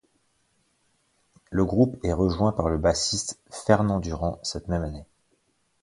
Le groupe est rejoint par le bassiste Fernand Durand cette même année.